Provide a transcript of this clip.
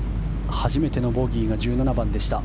初めてのボギーが１７番でした。